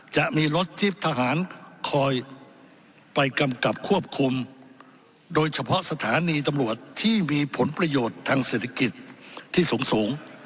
จะมีรถที่ทหารคอยไปกำกับควบคุมโดยเฉพาะสถานีตำรวจที่มีผลประโยชน์ทางเศรษฐกิจที่สูง